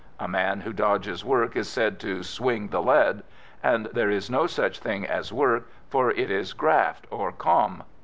A man who dodges work is said to "swing the lead," and there is no such thing as work, for it is "graft," or "kom."